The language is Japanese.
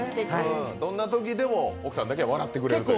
どんなときでも奥さんだけは笑ってくれると。